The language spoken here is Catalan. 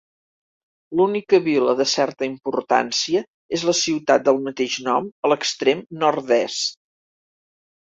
L'única vila de certa importància és la ciutat del mateix nom a l'extrem nord-est.